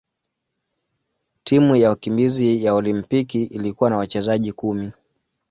Timu ya wakimbizi ya Olimpiki ilikuwa na wachezaji kumi.